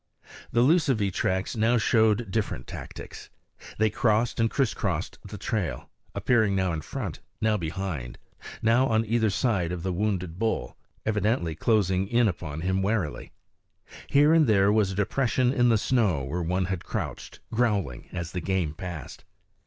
The lucivee tracks now showed different tactics. They crossed and crisscrossed the trail, appearing now in front, now behind, now on either side the wounded bull, evidently closing in upon him warily. Here and there was a depression in the snow where one had crouched, growling, as the game passed.